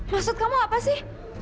maksud kamu apa sih